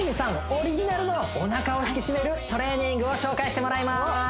オリジナルのお腹を引き締めるトレーニングを紹介してもらいます